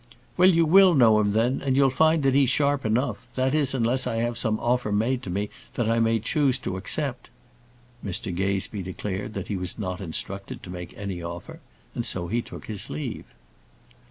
"Well, you will know him then, and you'll find he's sharp enough; that is, unless I have some offer made to me that I may choose to accept." Mr Gazebee declared that he was not instructed to make any offer, and so he took his leave.